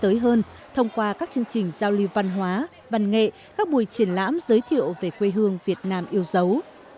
họ cũng có thể nhận được nhiều thông tin tối hơn thông qua các chương trình giao lưu văn hóa văn nghệ các buổi triển lãm giới thiệu về quê hương việt nam yêu dấu